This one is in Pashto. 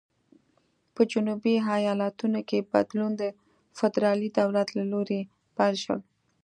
په جنوبي ایالتونو کې بدلون د فدرالي دولت له لوري پیل شول.